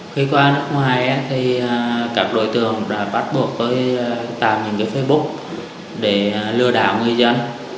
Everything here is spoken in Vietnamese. khi qua nước ngoài thì các đối tượng đã bắt buộc tôi tạo những facebook để lừa đảo người dân